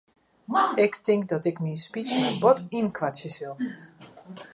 Ik tink dat ik myn speech mar bot ynkoartsje sil.